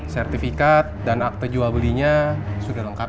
sertifikat dan akte jual belinya sudah lengkap